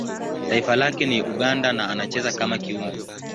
Taifa lake ni Uganda na anacheza kama kiungo.